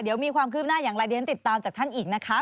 เดี๋ยวมีความคืบหน้าอย่างไรเดี๋ยวฉันติดตามจากท่านอีกนะคะ